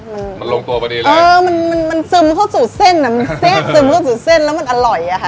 มันมันลงตัวพอดีเลยเออมันมันซึมเข้าสู่เส้นอ่ะมันเส้นซึมเข้าสู่เส้นแล้วมันอร่อยอะค่ะ